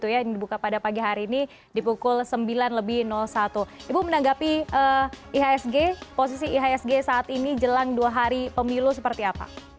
yang dibuka pada pagi hari ini di pukul sembilan lebih satu ibu menanggapi posisi ihsg saat ini jelang dua hari pemilu seperti apa